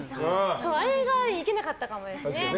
あれがいけなかったかもですね。